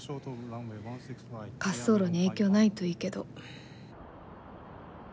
滑走路に影響ないといいけど。